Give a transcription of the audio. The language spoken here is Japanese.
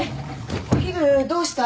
お昼どうした？